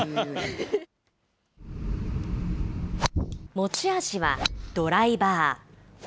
持ち味はドライバー。